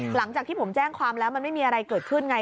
หลังจากที่ผมแจ้งความแล้วมันไม่มีอะไรเกิดขึ้นไง